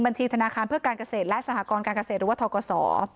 ธนาคารเพื่อการเกษตรและสหกรการเกษตรหรือว่าทกศ